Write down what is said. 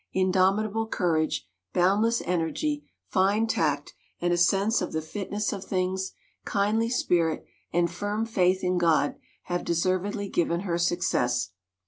Indomitable courage, boundless en ergy, fine tact and a sense of the fitness of things, kindly spirit, and firm faith in God have deservedly given her success.